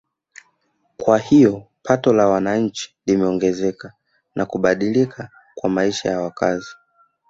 Kwa hiyo pato la wananchi limeongezeka na kubadilika kwa maisha ya wakazi